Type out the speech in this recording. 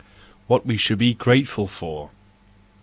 What we should be Grateful for .